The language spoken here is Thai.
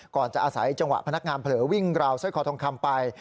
ก่อนจะอาศัยจังหวะพนักงานเผลอวิ่งราวสร้อยคอทองคำไป